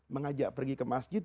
mengajak pergi ke masjid